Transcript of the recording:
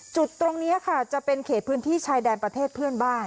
จุดตรงนี้ค่ะจะเป็นเขตพื้นที่ชายแดนประเทศเพื่อนบ้าน